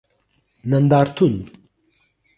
نندارتون